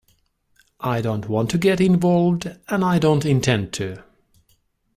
I don’t want to get involved, and I don't intend to.